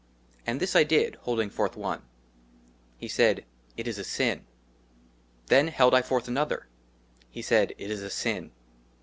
AND THIS I DID, HOLDING FORTH ONE. HE SAID, *' IT IS A SIN." THEN HELD I FORTH ANOTHER ; HE SAID, *' IT IS A SIN."